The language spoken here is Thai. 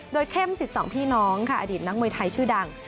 โดยเข้มสิทธิ์สองพี่น้องค่ะอดีตนักมวยไทยชื่อดัง